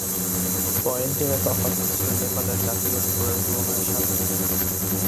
পয়েন্টের এ তফাতটি ছিল নেপালের জাতীয় স্কোরের তুলনায় সাত গুণ।